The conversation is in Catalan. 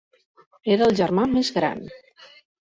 Era el germà més gran.